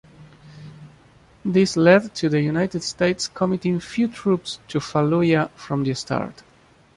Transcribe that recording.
This led to the United States committing few troops to Fallujah from the start.